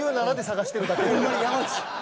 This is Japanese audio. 今ほんまに山内。